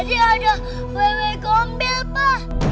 tadi ada wewe gombel pa